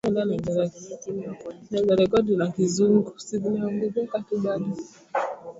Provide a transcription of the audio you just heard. wa Wagiriki mashariki na Walatini magharibi bila